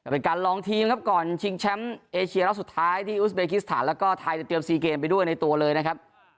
เป็นการลองทีมครับก่อนชิงแชมป์เอเชียรอบสุดท้ายที่อุสเบคิสถานแล้วก็ไทยจะเตรียมซีเกมไปด้วยในตัวเลยนะครับ